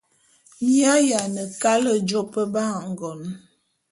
Mi ayiane kale jôp ba ngon.